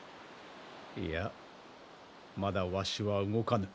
いやまだわしは動かぬ。